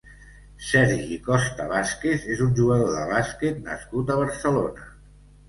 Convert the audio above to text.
Sergi Costa Vázquez és un jugador de bàsquet nascut a Barcelona.